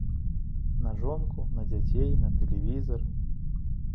На жонку, на дзяцей, на тэлевізар.